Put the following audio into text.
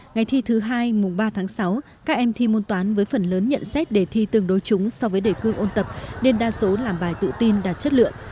ngày thi thứ hai mùng ba tháng sáu các em thi môn toán với phần lớn nhận xét đề thi tương đối chúng so với đề cương ôn tập nên đa số làm bài tự tin đạt chất lượng